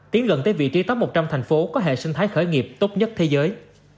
tiến gần tới vị trí top một trăm linh thành phố có hệ sinh thái khởi nghiệp tốt nhất thế giới